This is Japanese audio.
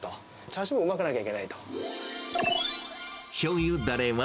チャーシューもうまくなきゃいけないと。